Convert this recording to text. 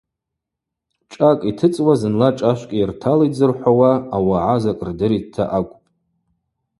Шӏакӏ йтыцӏуа зынла шӏашвкӏ йырталитӏ – зырхӏвуа ауагӏа закӏ рдыритӏта акӏвпӏ.